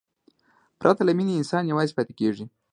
پرته له مینې، انسان یوازې پاتې کېږي.